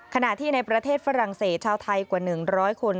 ขณะที่ในประเทศฝรั่งเศสชาวไทยกว่า๑๐๐คน